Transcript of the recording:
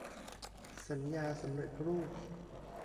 สัญญาสำเร็จรูป